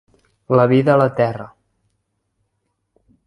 La vida a la Terra.